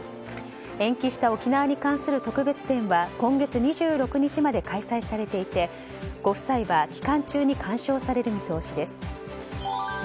延期した沖縄に関する特別展は今月２６日まで開催されていてご夫妻は期間中に鑑賞される見通しです。